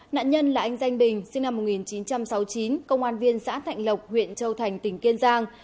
nạn nhân là anh danh bình sinh năm một nghìn chín trăm sáu mươi chín công an viên xã thạnh lộc huyện châu thành tỉnh kiên giang